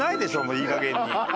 もういいかげんに。